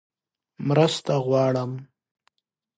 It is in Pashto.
_مرسته غواړم!